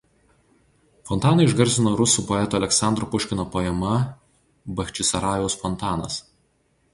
Fontaną išgarsino rusų poeto Aleksandro Puškino poema „Bachčisarajaus fontanas“.